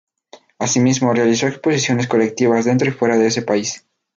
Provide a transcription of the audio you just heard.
Asimismo realizó exposiciones colectivas dentro y fuera de ese país.